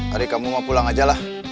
hari kamu mau pulang aja lah